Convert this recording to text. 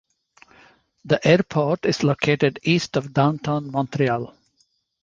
The airport is located east of Downtown Montreal.